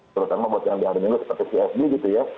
terus terang membuat yang di hari minggu seperti csb gitu ya